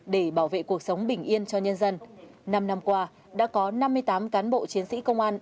để bảo vệ cuộc sống bình yên cho nhân dân năm năm qua đã có năm mươi tám cán bộ chiến sĩ công an